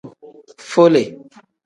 Fole.